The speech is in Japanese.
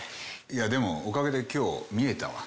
いやでもおかげで今日見えたわ。